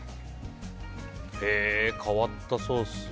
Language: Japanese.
変わったソース。